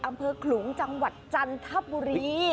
อำเภอขลุงจังหวัดจันทบุรี